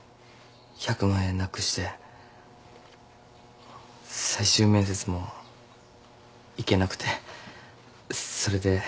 １００万円なくして最終面接も行けなくてそれで。